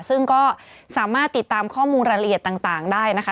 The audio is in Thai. ซึ่งก็สามารถติดตามข้อมูลรายละเอียดต่างได้นะคะ